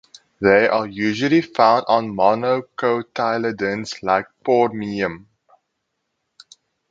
They are usually found on monocotyledons like "Phormium" sp.